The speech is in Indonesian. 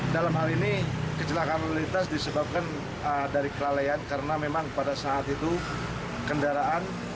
dalam hal ini kecelakaan lelitas disebabkan dari kelalaian karena memang pada saat itu kendaraan ataupun pengemudi kondisinya sama sama tidak fit